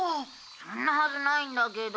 「そんなはずないんだけど」